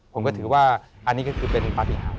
ผมก็ถือว่าอันนี้ก็คือเป็นปฏิหาร